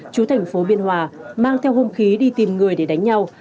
chú thành phố biên hòa mang theo hung khí đi tìm người để đánh nhau